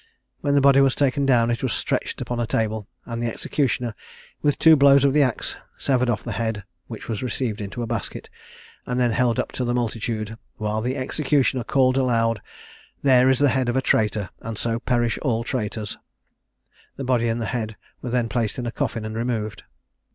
When the body was taken down it was stretched upon a table; and the executioner, with two blows of the axe, severed off the head, which was received into a basket, and then held up to the multitude, while the executioner called aloud, "There is the head of a traitor, and so perish all traitors!" The body and head were then placed in a coffin and removed.